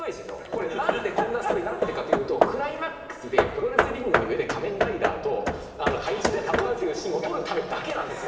これ何でこんなストーリーになってるかというとクライマックスでプロレスリングの上で仮面ライダーと怪人が戦うというシーンを撮るためだけなんですよ。